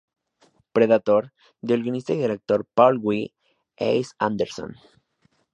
Predator", del guionista y director Paul W. S. Anderson.